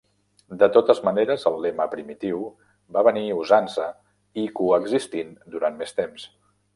De totes maneres, el lema primitiu va venir usant-se i coexistint durant més temps.